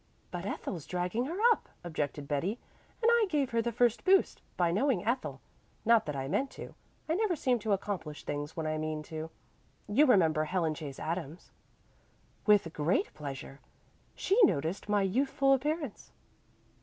"But Ethel's dragging her up," objected Betty. "And I gave her the first boost, by knowing Ethel. Not that I meant to. I never seem to accomplish things when I mean to. You remember Helen Chase Adams?" "With great pleasure. She noticed my youthful appearance."